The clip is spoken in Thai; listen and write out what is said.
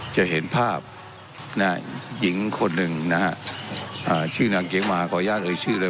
จะเห็นภาพหญิงคนหนึ่งนะฮะชื่อนางเกงมาขออนุญาตเอ่ยชื่อเลย